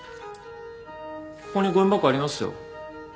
ここにごみ箱ありますよ。